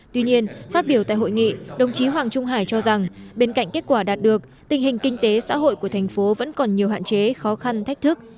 tuy nhiên phát biểu tại hội nghị đồng chí hoàng trung hải cho rằng bên cạnh kết quả đạt được tình hình kinh tế xã hội của thành phố vẫn còn nhiều hạn chế khó khăn thách thức